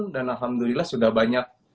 dan alhamdulillah sudah banyak